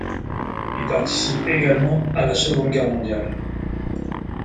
Il participe également à la Seconde Guerre mondiale.